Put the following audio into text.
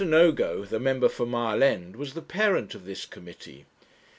Nogo, the member for Mile End, was the parent of this committee.